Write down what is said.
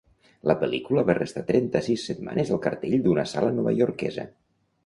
La pel·lícula va restar trenta-sis setmanes al cartell d'una sala novaiorquesa.